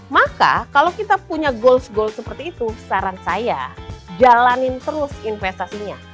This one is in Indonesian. maka kalau kita punya goals goal seperti itu saran saya jalanin terus investasinya